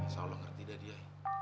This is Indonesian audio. insya allah ngerti dadi ya